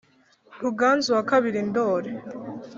ruganzu wa kabiri ndoli